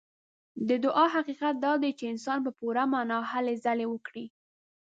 د دعا حقيقت دا دی چې انسان په پوره معنا هلې ځلې وکړي.